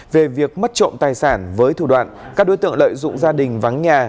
về việc mất trộm tài sản với thủ đoạn các đối tượng lợi dụng gia đình vắng nhà